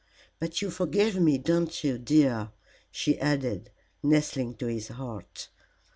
But you forgive me, don't you, dear?" she added, nestling to his heart.